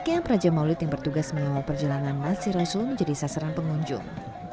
yang bertugas mengawal perjalanan nasi rassul menjadi sasaran pengunjung